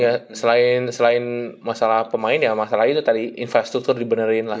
ya selain masalah pemain ya masalahnya itu tadi infrastruktur dibenerin lah